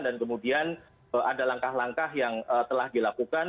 dan kemudian ada langkah langkah yang telah dilakukan